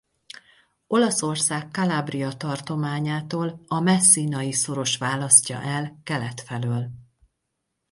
Olaszország Calabria tartományától a Messinai-szoros választja el kelet felől.